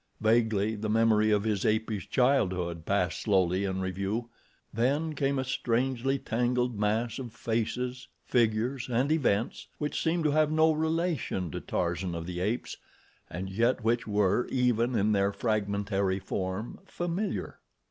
Vaguely the memory of his apish childhood passed slowly in review—then came a strangely tangled mass of faces, figures and events which seemed to have no relation to Tarzan of the Apes, and yet which were, even in their fragmentary form, familiar.